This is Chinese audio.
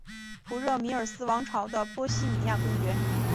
普热米斯尔王朝的波希米亚公爵。